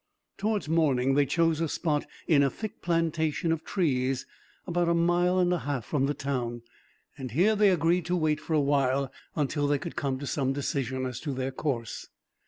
Towards morning they chose a spot in a thick plantation of trees, about a mile and a half from the town; and here they agreed to wait, for a while, until they could come to some decision as to their course.